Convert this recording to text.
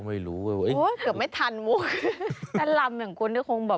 ไม่ค่ะรู้สึกภูมิใจมากเลยค่ะ